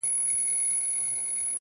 پوهه د ذهن پټې دروازې پرانیزي!